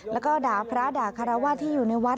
แล้วก็ด่าพระด่าคารวาสที่อยู่ในวัด